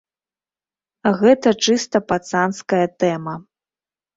Гэта чыста пацанская тэма.